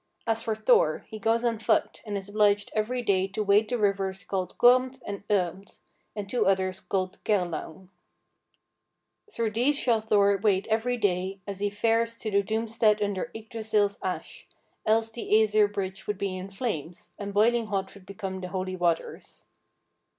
As for Thor, he goes on foot, and is obliged every day to wade the rivers called Kormt and OErmt, and two others called Kerlaung. "Through these shall Thor wade every day, as he fares to the doomstead under Yggdrasill's ash, else the Æsir Bridge would be in flames, and boiling hot would become the holy waters."